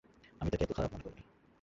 আমি তাকে এত খারাপ মনে করিনি।